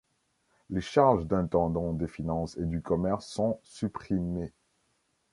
Les charges d'intendants des Finances et du Commerce sont supprimées.